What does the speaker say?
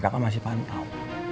kakak masih pantau